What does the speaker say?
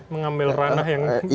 mengambil ranah yang bukan